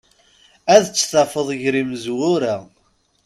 Ad tt-tafeḍ gar imezwura.